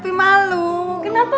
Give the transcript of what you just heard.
kamu udah pulang nak